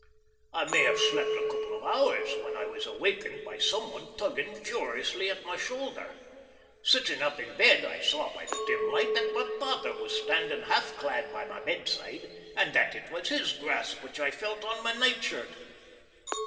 I may have slept a couple of hours when I was awakened by someone tugging furiously at my shoulder. Sitting up in bed, I saw by the dim light that my father was standing half clad by my bedside, and that it was his grasp which I felt on my night shirt.